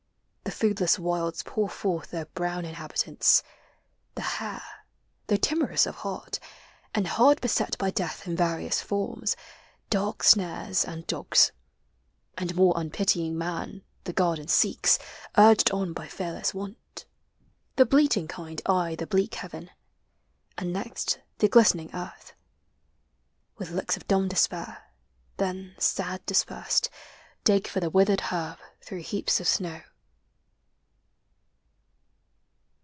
The foodless wilds Pour forth their blown inhabitants. The bare. Though timorous of heart, and hard besel By death in various forms, dark snan s. and do And more unpitying man, the garden seeks, Urged on by fearless want. The bleating kind Eye the bleak heaven, and nc\t the glistening earth, With looks of dumb despair; then, Bad dispersed, Dig for the withered herb through heaps ol snow.